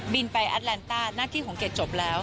ไปแอดแลนต้าหน้าที่ของเกดจบแล้ว